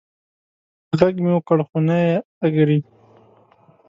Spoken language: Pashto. غږ مې وکړ خو نه یې اږري